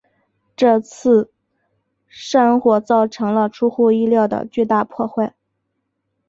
这次山火造成了出乎意料的巨大破坏。